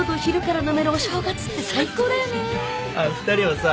２人はさ